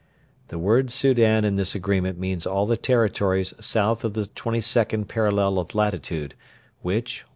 The word 'Soudan' in this Agreement means all the territories South of the 22nd parallel of latitude, which: 1.